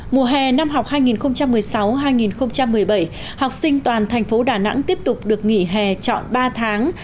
mùa hè năm học hai nghìn một mươi sáu hai nghìn một mươi bảy học sinh toàn thành phố đà nẵng tiếp tục được nghỉ hè chọn ba tháng